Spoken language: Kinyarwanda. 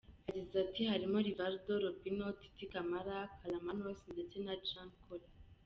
Yagize ati “Harimo Rivaldo, Robinho, Titi Camara, Kaklamanos ndetse na Jan Koller’’.